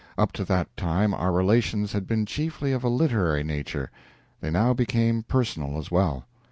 Up to that time our relations had been chiefly of a literary nature. They now became personal as well.